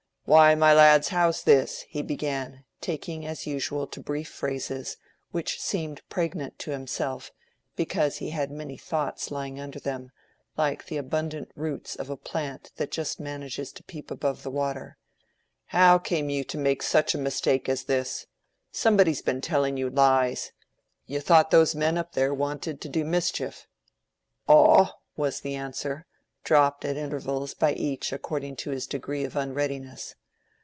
"Why, my lads, how's this?" he began, taking as usual to brief phrases, which seemed pregnant to himself, because he had many thoughts lying under them, like the abundant roots of a plant that just manages to peep above the water. "How came you to make such a mistake as this? Somebody has been telling you lies. You thought those men up there wanted to do mischief." "Aw!" was the answer, dropped at intervals by each according to his degree of unreadiness.